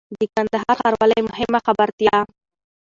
د کندهار ښاروالۍ مهمه خبرتيا